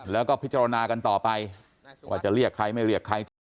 แล้วก็พิจารณากันต่อไปว่าจะเรียกใครไม่เรียกใครถูก